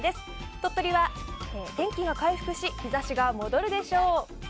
鳥取は天気が回復し日差しが戻るでしょう。